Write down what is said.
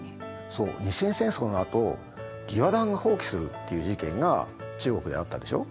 そう日清戦争のあと義和団が蜂起するっていう事件が中国であったでしょ？